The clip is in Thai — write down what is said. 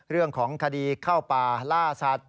เรื่องของคดีเข้าป่าล่าสัตว